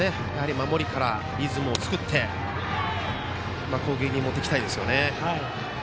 守りからリズムを作って攻撃に持っていきたいですね。